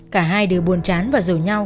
cả hai đều buồn chán và rủ nhau